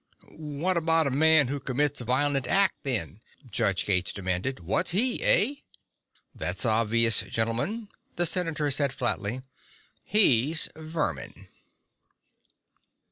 "What about a man who commits a violent act, then?" Judge Gates demanded. "What's he, eh?" "That's obvious, gentlemen," the senator said flatly. "He's vermin."